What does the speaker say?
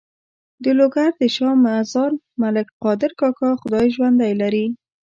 د لوګر د شا مزار ملک قادر کاکا خدای ژوندی لري.